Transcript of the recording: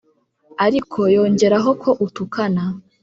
ariko yongeraho ko utukana